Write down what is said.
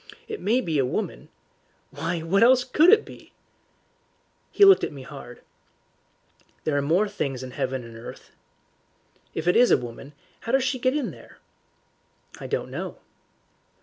It may be a woman " "Why, what else COULD it be?" He looked at me hard. "There are more things in heaven and earth," said he. "If it is a woman, how does she get there?" "I don't know."